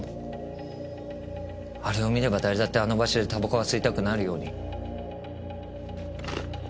あれを見れば誰だってあの場所で煙草が吸いたくなるように。